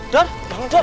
dar bangun dek